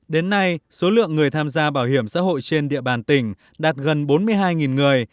đến nay số lượng người tham gia bảo hiểm xã hội trên địa bàn tỉnh đạt gần bốn mươi hai người